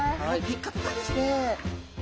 ピカピカですね。